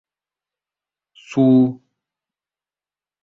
suvdan — ko‘pigi, olovdan — tutuni, sharobdan — kayfi bor;